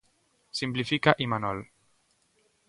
Simplifica Imanol.